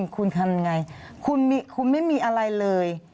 คุณทำยังไงคุณไม่มีอะไรเลย